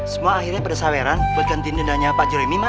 semua akhirnya pada saweran buatkan dindannya pak jeremy ma